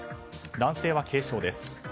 男性は軽傷です。